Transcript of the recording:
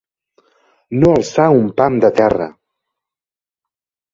No alçar un pam de terra.